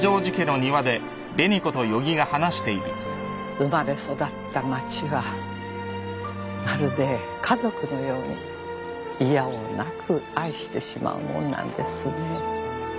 生まれ育った町はまるで家族のようにいや応なく愛してしまうもんなんですね。